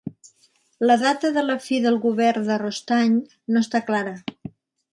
La data de la fi del govern de Rostany no està clara.